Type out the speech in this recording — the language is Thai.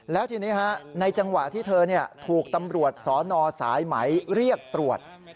แล้วทีนี้ในจังหวะที่เธอถูกตำรวจสนสายไหมเรียกตรวจ